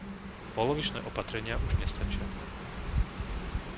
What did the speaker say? Polovičné opatrenia už nestačia.